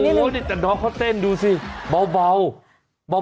นี่น้องเขาเต้นดูสิเบา